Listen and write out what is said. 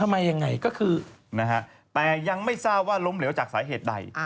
นะฮะแต่ยังไม่ทราบว่าล้มเหลวจากสาเหตุใด